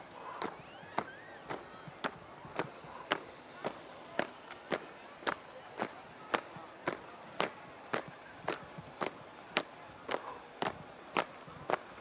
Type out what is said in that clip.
menjadi rangkaian upacara peringatan kemerdekaan republik indonesia ke tujuh puluh tiga